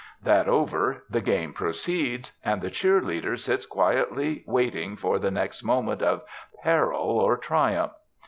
That over, the game proceeds, and the cheer leader sits quietly waiting for the next moment of peril or triumph.